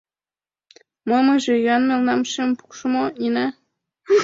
— Мо, мыйже ӱян мелнам шым пукшо мо, Нина?